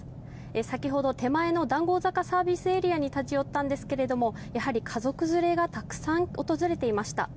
先ほど手前の談合坂ＳＡに立ち寄ったんですけれどもやはり、家族連れがたくさん訪れていました。